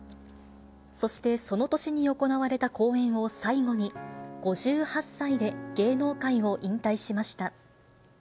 そしてその年に行われた公演を最後に、５８歳で芸能界を引退しました。